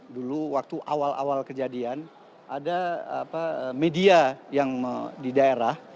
dulu waktu awal awal kejadian ada media yang di daerah